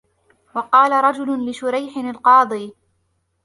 وَقَالَ رَجُلٌ لِشُرَيْحٍ الْقَاضِي